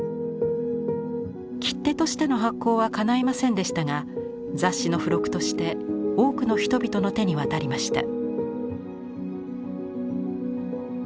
切手としての発行はかないませんでしたが雑誌の付録として多くの人々の手に渡りました。